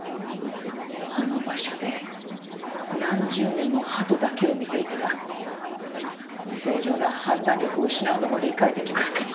あの場所で何十年も鳩だけを見ていたら正常な判断力を失うのも理解できます。